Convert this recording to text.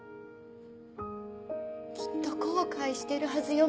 きっと後悔してるはずよ